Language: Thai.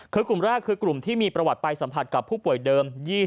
คือกลุ่มแรกคือกลุ่มที่มีประวัติไปสัมผัสกับผู้ป่วยเดิม